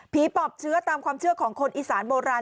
ปอบเชื้อตามความเชื่อของคนอีสานโบราณ